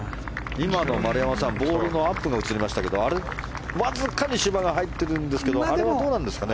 今のはボールのアップが映りましたけどあれ、わずかに芝が入っているんですがあれはどうなんですかね。